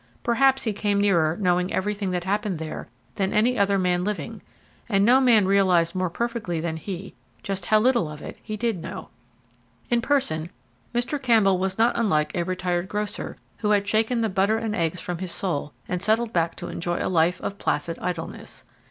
Perhaps he came nearer knowing everything that happened there than any other man living; and no man realized more perfectly than he just how little of all of it he did know. In person Mr. Campbell was not unlike a retired grocer who had shaken the butter and eggs from his soul and settled back to enjoy a life of placid idleness.